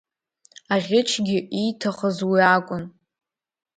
Аӷьычгьы ииҭахыз уи акәын…